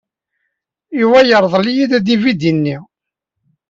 Yuba yerḍel-iyi-d adividi-nni.